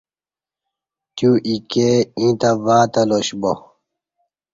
تیو ایکے ییں تہ واتہ لاش با